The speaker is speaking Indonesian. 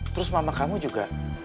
terus mama kamu juga